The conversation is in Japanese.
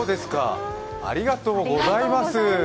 ありがとうございます。